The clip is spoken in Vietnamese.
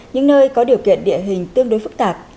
những nơi có điều kiện địa hình tương đối phức tạp